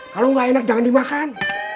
kalo ga enak jangan dimakan